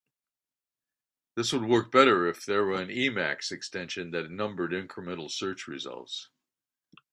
This would work better if there were an Emacs extension that numbered incremental search results.